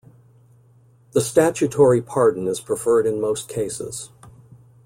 The statutory pardon is preferred in most cases.